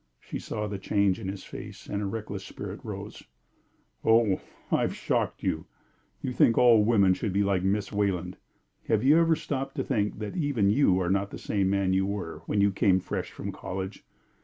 She saw the change in his face, and her reckless spirit rose. "Oh, I've shocked you! You think all women should be like Miss Wayland. Have you ever stopped to think that even you are not the same man you were when you came fresh from college?